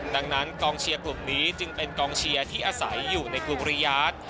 ดังนั้นกองเชียร์กลุ่มนี้จึงเป็นกองเชียร์ที่อาศัยอยู่ในกรุงบริยาท